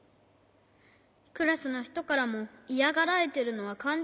クラスのひとからもイヤがられてるのはかんじてるんだ。